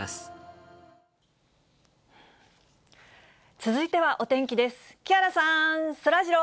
続いてはお天気です。